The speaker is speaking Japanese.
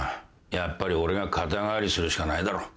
やっぱり俺が肩代わりするしかないだろ。